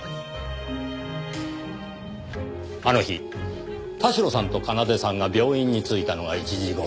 あの日田代さんと奏さんが病院に着いたのが１時頃。